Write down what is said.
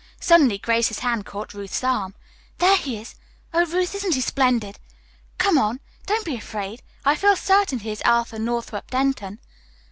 Suddenly Grace's hand caught Ruth's arm, "There he is! Oh, Ruth, isn't he splendid? Come on. Don't be afraid. I feel certain he is Arthur Northrup Denton."